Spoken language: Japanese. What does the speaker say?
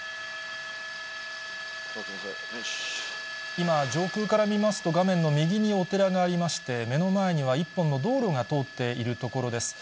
今、上空から見ますと、画面の右にお寺がありまして、目の前には１本の道路が通っている所です。